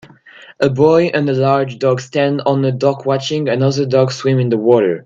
A boy and a large dog stand on a dock watching another dog swim in the water.